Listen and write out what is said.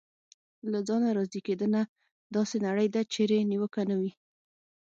له ځانه راضي کېدنه: داسې نړۍ ده چېرې نیوکه نه وي.